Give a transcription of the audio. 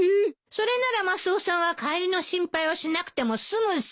それならマスオさんは帰りの心配をしなくても済むし。